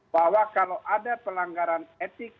bahwa kalau ada pelanggaran etik